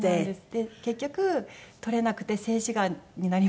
で結局撮れなくて静止画になりました。